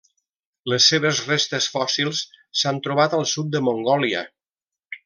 Les seves restes fòssils s'han trobat al sud de Mongòlia.